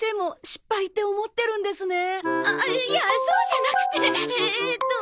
いやそうじゃなくてえーっと。